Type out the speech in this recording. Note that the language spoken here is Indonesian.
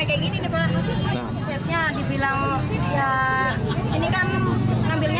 gini diperhatikan di bilang ya ini kan ambilnya rame nyata satu minggu kalau ada bisa mah biasa